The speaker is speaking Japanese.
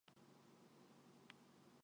宿は鎌倉でも辺鄙なところにあった